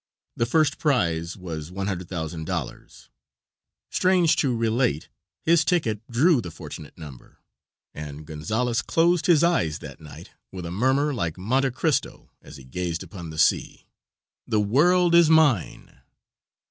The first prize was $100,000. Strange to relate his ticket drew the fortunate number, and Gonzales closed his eyes that night with a murmur like Monte Cristo as he gazed upon the sea, "The world is mine!"